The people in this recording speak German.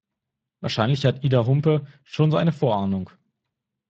Wahrscheinlich hat Ida Humpe schon so eine Vorahnung.